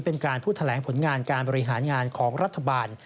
เป็นการพูดแถลงผลงานการบริหารงานของรัฐบาล